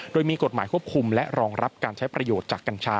โดยมีกฎหมายควบคุมและรองรับการใช้ประโยชน์จากกัญชา